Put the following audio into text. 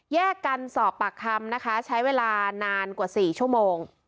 แยกกันสอบปากคำนะคะใช้เวลานานกว่า๔ชั่วโมง